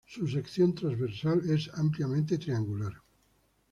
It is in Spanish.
Su sección transversal es ampliamente triangular.